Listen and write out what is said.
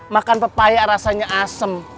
makan papaya rasanya asem